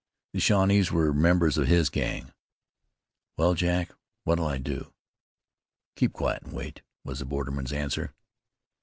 The Shawnees were members of his gang." "Well, Jack, what'll I do?" "Keep quiet an' wait," was the borderman's answer.